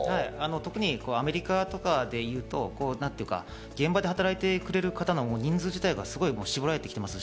特にアメリカとかでいうと、現場で働いてくれる方の人数自体が絞られてきてます。